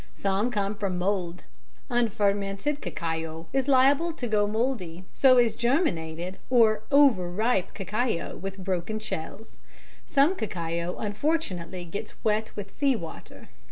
Some come from mould. Unfermented cacao is liable to go mouldy, so is germinated or over ripe cacao with broken shells. Some cacao unfortunately gets wet with sea water.